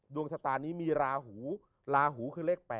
ดวงชะตานี้มีราหูลาหูคือเลข๘